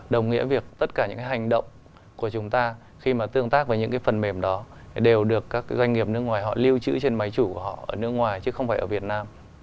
đồng nghĩa việc tất cả những cái hành động của chúng ta khi mà tương tác với những cái phần mềm đó đều được các doanh nghiệp nước ngoài họ lưu trữ trên máy chủ của họ ở nước ngoài chứ không phải ở việt nam